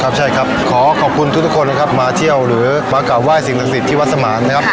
ใช่ครับขอขอบคุณทุกคนนะครับมาเที่ยวหรือมากราบไห้สิ่งศักดิ์สิทธิ์ที่วัดสมานนะครับ